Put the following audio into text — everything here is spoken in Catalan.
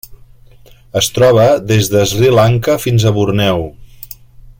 Es troba des de Sri Lanka fins a Borneo.